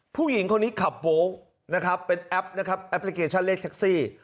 ผู้หญิงคนนี้ขับโวลนะครับเป็นแอปนะครับแอปพลิเคชันเลขแท็กซี่